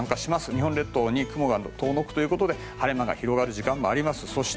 日本列島に雲が遠のくので晴れ間が広がる時間があります。